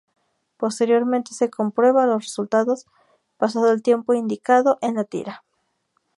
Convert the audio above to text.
Posteriormente se comprueba los resultados pasado el tiempo indicado en la tira.